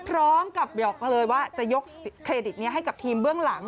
พร้อมกับบอกมาเลยว่าจะยกเครดิตนี้ให้กับทีมเบื้องหลัง